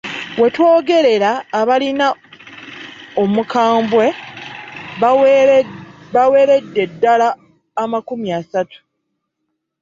Wetwogerera abalina Omukambwe baweredde ddala makumi asatu